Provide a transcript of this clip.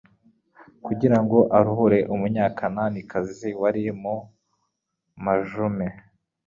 kugira ngo aruhure umunyakananikazi wari mu majune.